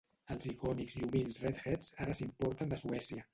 Els icònics llumins Redheads ara s'importen de Suècia.